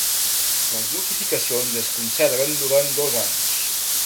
Les notificacions es conserven durant dos anys.